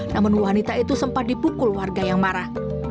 namun wanita itu sempat dipukul warga yang marah